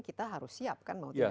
kita harus siapkan mau tidak mau